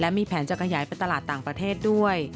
และมีแผนจะกระใหยไปตลาดต่างประเทศด้วย